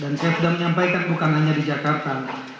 dan saya sudah menyampaikan bukan hanya di jakarta